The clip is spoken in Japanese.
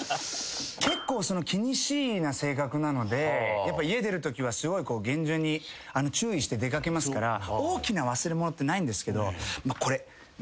結構気にしいな性格なのでやっぱ家出るときはすごい厳重に注意して出掛けますから大きな忘れ物ってないんですけどこれ。